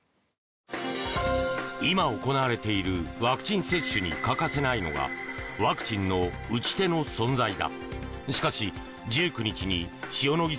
今行われているワクチン接種に欠かせないのがワクチンの打ち手の存在だ。